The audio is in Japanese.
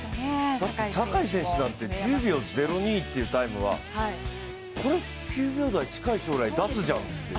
坂井選手だって、１０秒０２というタイムはこれ９秒台、近い将来出すじゃんっていう。